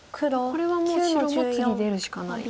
これはもう白も次出るしかない。